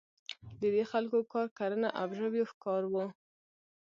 د دې خلکو کار کرنه او ژویو ښکار وو.